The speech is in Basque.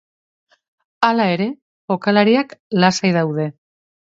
Hala ere, jokalariak lasai daude.